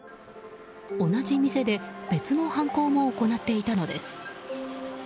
同じ店で別の犯行も行っていたのです。